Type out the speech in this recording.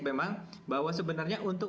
memang bahwa sebenarnya untuk